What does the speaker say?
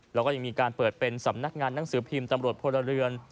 แล้วก็ยังมีการเปิดเป็นสำนักงานหนังสือพิมพ์ตำรวจพลเรือน